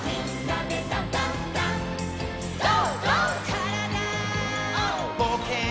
「からだぼうけん」